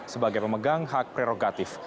sebagai pemegang hak prerogatif